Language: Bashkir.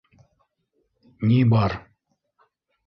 Ни бар?